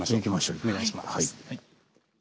お願いします。